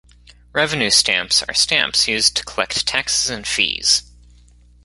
Revenue stamps are stamps used to collect taxes and fees.